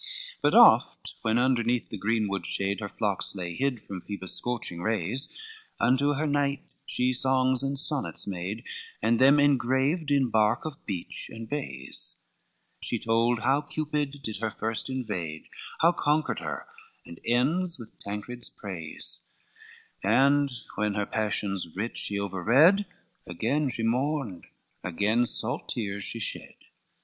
XIX But oft, when underneath the greenwood shade Her flocks lay hid from Phoebus' scorching rays, Unto her knight she songs and sonnets made, And them engraved in bark of beech and bays; She told how Cupid did her first invade, How conquered her, and ends with Tancred's praise: And when her passion's writ she over read, Again she mourned, again salt tears she shed.